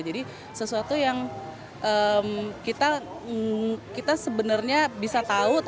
jadi sesuatu yang kita sebenarnya bisa tahu